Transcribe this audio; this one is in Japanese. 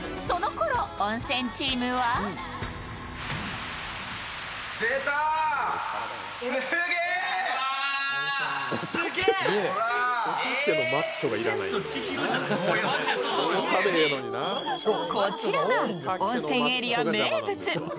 そのころ温泉チームは？こちらが温泉エリア名物。